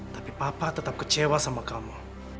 tapi papa tetap kecewa sama kamu